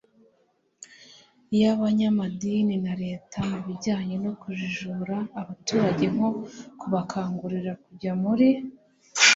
y'abanyamadini na leta mu bijyanye no kujijura abaturage nko kubakangurira kujya muri